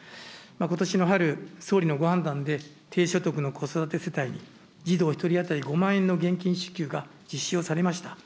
ことしの春、総理のご判断で、低所得の子育て世帯に、児童１人当たり５万円の現金支給が実施をされました。